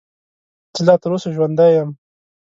زه لا تر اوسه ژوندی یم .